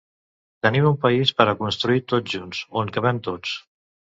Tenim un país per a construir tots junts, on cabem tots.